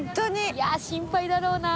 いや心配だろうな。